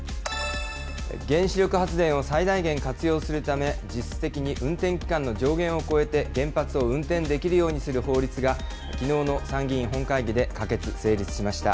原子力発電を最大限活用するため、実質的に運転期間の上限を超えて、原発を運転できるようにする法律が、きのうの参議院本会議で可決・成立しました。